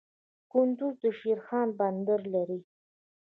کندز د شیرخان بندر لري